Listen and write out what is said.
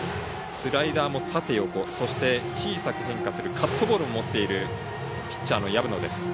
スライダーも縦横小さく変化するカットボールも持っているピッチャーの薮野です。